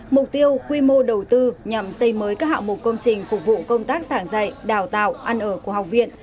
mục tiêu quy mô đầu tư nhằm xây mới các hạng mục công trình phục vụ công tác sảng dạy đào tạo ăn ở của học viện